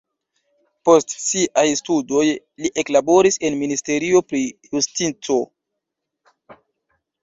Post siaj studoj li eklaboris en ministerio pri justico.